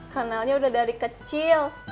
kenalnya udah dari kecil